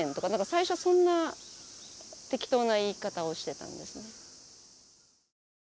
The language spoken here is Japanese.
最初はそんな適当な言い方をしてたんですね。